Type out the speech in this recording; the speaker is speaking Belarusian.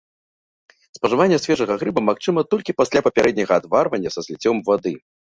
Спажыванне свежага грыба магчыма толькі пасля папярэдняга адварвання са зліццём вады.